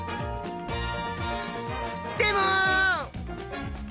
でも！